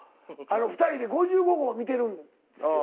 ２人で５５号観てるんですよ。